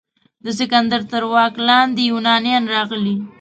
د سکندر تر واک لاندې یونانیان راغلي.